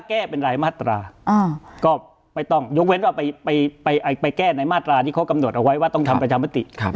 ก็ไม่ต้องยกเว้นว่าไปแก้ในมาตราที่เขากำหนดเอาไว้ว่าต้องทำประจำติ